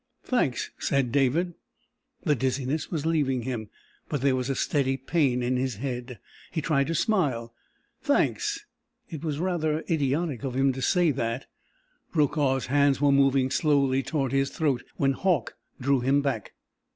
"Thanks," said David. The dizziness was leaving him, but there was a steady pain in his head. He tried to smile. "Thanks!" It was rather idiotic of him to say that. Brokaw's hands were moving slowly toward his throat when Hauck drew him back.